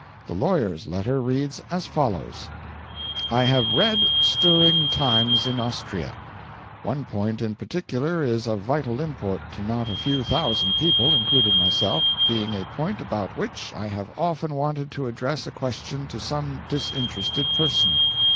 The lawyer's letter reads as follows: 'I have read "Stirring Times in Austria." One point in particular is of vital import to not a few thousand people, including myself, being a point about which I have often wanted to address a question to some disinterested person.